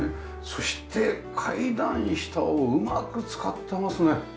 そして階段下をうまく使ってますね。